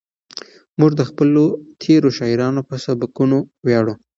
موږ د خپلو تېرو شاعرانو په سبکونو ویاړو.